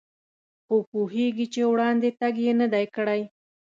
خو پوهېږي چې وړاندې تګ یې نه دی کړی.